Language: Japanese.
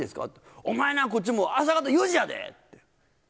お前な、こっちもう朝方４時やで。